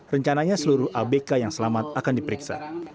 rencananya seluruh abk yang selamat akan diperiksa